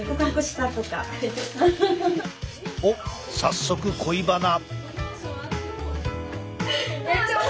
おっ早速恋バナ。